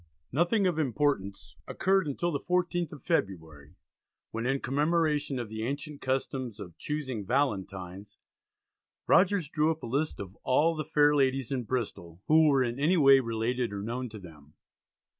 Nothing of importance occurred until the 14th of February, when "in commemoration of the ancient custom of chusing Valentines," Rogers drew up a list of all "the fair ladies in Bristol" who were in any way related or known to them.